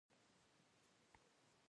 صداقت د زړورتیا له زړه راټوکېږي.